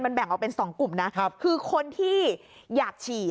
แบ่งออกเป็น๒กลุ่มนะคือคนที่อยากฉีด